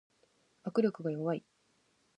握力が弱い